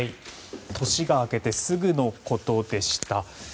年が明けてすぐのことでした。